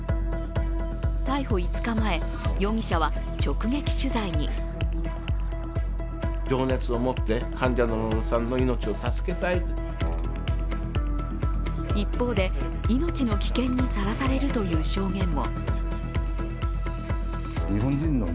逮捕５日前、容疑者は直撃取材に一方で、命の危険にさらされるという証言も。